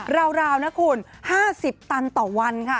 ราวนะคุณ๕๐ตันต่อวันค่ะ